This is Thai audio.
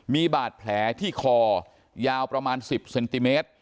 มีบาดแผลที่คอยาวประมาณ๑๐ซม